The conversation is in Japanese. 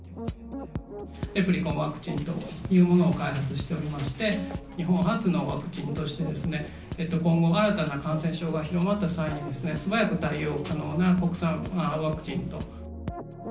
レプリコンワクチンというものを開発しておりまして、日本発のワクチンとして、今後、新たな感染症が広まった際に、素早く対応可能な国産ワクチンと。